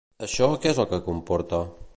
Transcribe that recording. Això què és el que comporta?